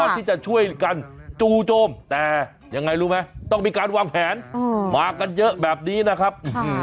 ที่จะช่วยกันจูโจมแต่ยังไงรู้ไหมต้องมีการวางแผนมากันเยอะแบบนี้นะครับ